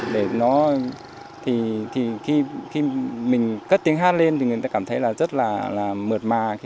để nó thì khi mình cất tiếng hát lên thì người ta cảm thấy là rất là mượt mài